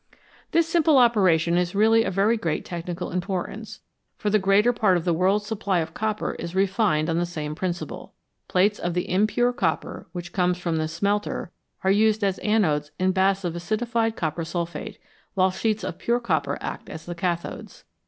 This simple operation is really of very great technical importance, for the greater part of the world's supply of copper is refined on the same principle. Plates of the impure copper which comes from the smelter are used as anodes in baths of acidified copper sulphate, while sheets of pure copper act as the cathodes.